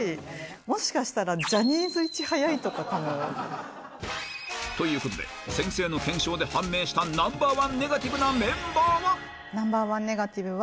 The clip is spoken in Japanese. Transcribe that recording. もしかしたらジャニーズいち早いとかかもよ。ということで、先生の検証で判明したナンバー１ネガティブなメンバーは。